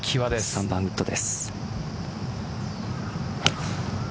３番ウッドです。